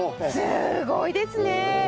すごいですね。